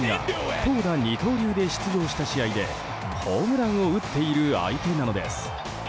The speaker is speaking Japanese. ２０２１年に大谷が投打二刀流で出場した試合でホームランを打っている相手なのです。